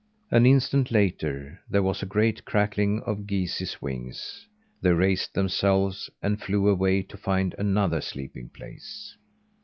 An instant later, there was a great crackling of geese's wings. They raised themselves and flew away to find another sleeping place.